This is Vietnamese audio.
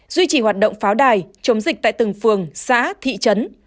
duy trì hoạt động pháo đài chống dịch tại từng phường xã thị trấn